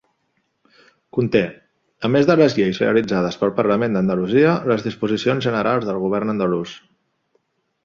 Conté, a més les lleis realitzades pel Parlament d'Andalusia, les disposicions generals del Govern andalús.